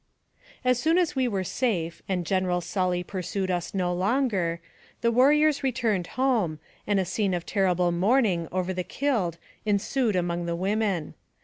As soon as we were safe, and General Sully pursued us no longer, the warriors returned home, and a scene of terrible mourning over the killed ensued among the women.